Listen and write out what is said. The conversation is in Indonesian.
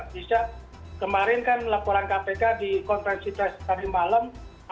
bisa kemarin kan laporan kpk di konferensi pers tadi malam